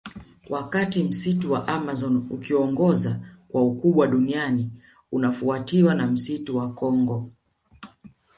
Wakati Msitu wa Amazon ukiongoza kwa ukubwa duniani unafuatiwa na msitu wa Kongo